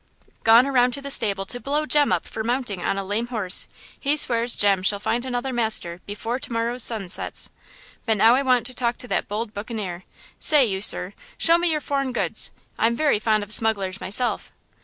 "Gone around to the stable to blow Jem up for mounting on a lame horse. He swears Jem shall find another master before to morrow's sun sets. But now I want to talk to that bold buccaneer. Say, you sir, show me your foreign goods–I'm very fond of smugglers myself!"